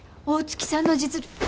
大月さんの実力。